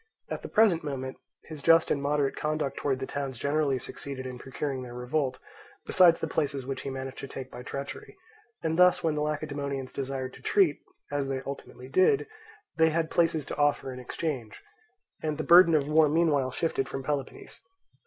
At the present moment his just and moderate conduct towards the towns generally succeeded in procuring their revolt, besides the places which he managed to take by treachery; and thus when the Lacedaemonians desired to treat, as they ultimately did, they had places to offer in exchange, and the burden of war meanwhile shifted from Peloponnese.